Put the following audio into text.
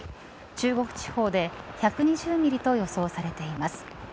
中国地方で１２０ミリと予想されています。